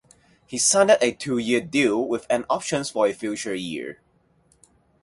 He signed a two-year deal with an option for a further year.